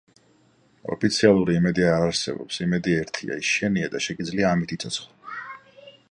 ოფიციალური იმედი არ არსებობს იმედი ერთია, ის შენია და შეგიძლია ამით იცოცხლო